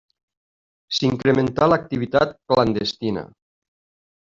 S'incrementà l'activitat clandestina.